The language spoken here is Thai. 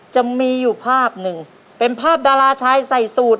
จะมีอยู่ภาพหนึ่งเป็นภาพดาราชายใส่สูตร